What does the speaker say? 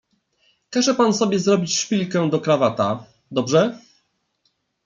"Każe pan sobie zrobić szpilkę do krawata, dobrze?"